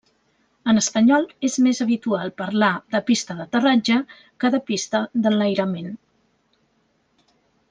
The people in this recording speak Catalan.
En espanyol és més habitual parlar de pista d'aterratge que de pista d'enlairament.